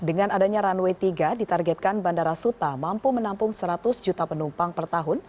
dengan adanya runway tiga ditargetkan bandara suta mampu menampung seratus juta penumpang per tahun